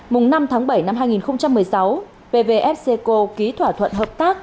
mùng năm tháng bảy năm hai nghìn một mươi sáu pvfc ký thỏa thuận hợp tác